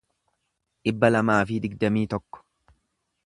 dhibba lamaa fi digdamii tokko